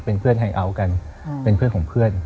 เป็นเพื่อนไฮเอาท์กันเป็นเพื่อนของเพื่อน